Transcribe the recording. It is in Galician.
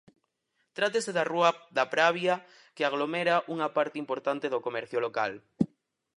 Trátase da rúa da Pravia, que aglomera unha parte importante do comercio local.